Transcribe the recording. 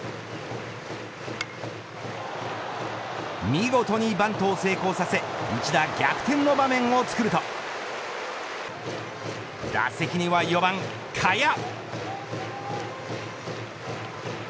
見事にバントを成功させ一打逆転の場面をつくると打席には４番賀谷。